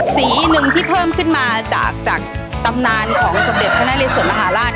สีหนึ่งที่เพิ่มขึ้นมาจากตำนานของสมเด็จพระนาริสวนมหาราช